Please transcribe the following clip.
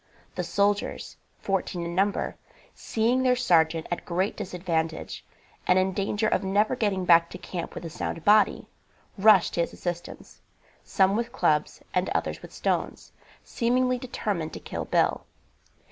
The soldiers, fourteen in number, seeing their sergeant at great disadvantage, and in danger of never getting back to camp with a sound body, rushed in to his assistance, some with clubs, and others with stones, seemingly determined to kill Bill.